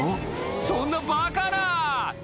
そんなバカな！